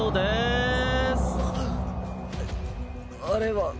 あれは？